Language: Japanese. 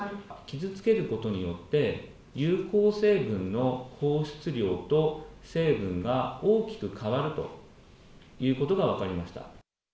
傷つけることによって、有効成分の放出量と成分が大きく変わるということが分かりました。